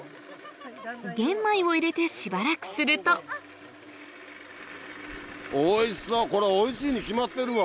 玄米を入れてしばらくするとこれおいしいに決まってるわ。